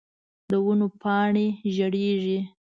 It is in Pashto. د ونو پاڼی زیړیږې